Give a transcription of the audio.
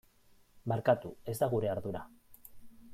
Barkatu, ez da gure ardura.